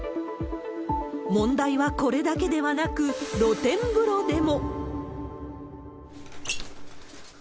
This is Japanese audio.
問題はこれだけではなく、露天風呂でも。